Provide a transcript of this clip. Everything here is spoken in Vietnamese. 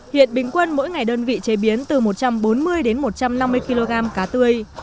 hiện bình quân mỗi ngày đơn vị chế biến từ một trăm bốn mươi đến một trăm năm mươi kg cá tươi